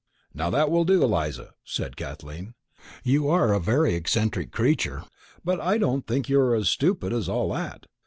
"Now, that will do, Eliza," said Kathleen. "You are a very eccentric creature, but I don't think you are as stupid as all that.